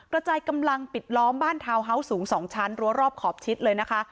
กระจายกำลังปิดล้อมบ้านทาวน์เฮาส์สูง๒ชั้นรั้วรอบขอบชิดเลยนะคะ